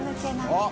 あっ。